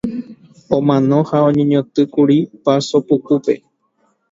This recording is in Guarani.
Omano ha oñeñotỹkuri Paso Pukúpe.